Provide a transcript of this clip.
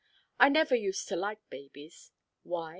I never used to like babies. Why?